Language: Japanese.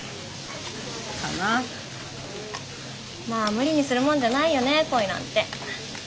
まあ無理にするもんじゃないよね恋なんて。